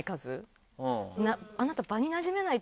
「あなた」。